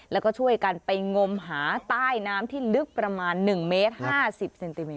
แล้วก็ช่วยกันไปงมหาใต้น้ำที่ลึกประมาณ๑เมตร๕๐เซนติเม